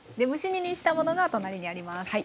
蒸し煮にしたものが隣にあります。